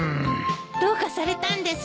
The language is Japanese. どうかされたんですか？